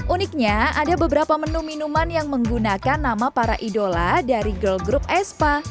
uniknya ada beberapa menu minuman yang menggunakan nama para idola dari girl group espa